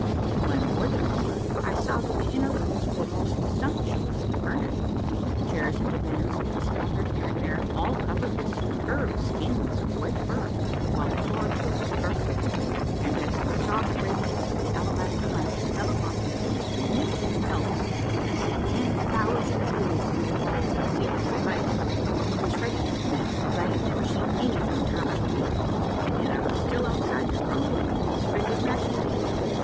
To my more than wonder, I saw that the inner rooms were most sumptuously furnished, chairs and divans being scattered here and there, all covered with superb skins of white fur, while the floor, too, was carpeted with them, and as the soft radiance of the alabaster lamps fell upon these magnificent pelts and set ten thousand jewels in the walls and ceilings of ice, I was ready to 154 A MARVELLOUS UNDERGROUND JOURNEY admit that I had never seen anything half so beautiful. And yet I was still outside the throne room of his frigid Majesty